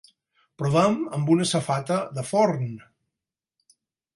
Provem amb una safata de forn.